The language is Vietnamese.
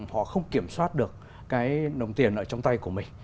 họ không kiểm soát được cái nồng tiền ở trong tay của mình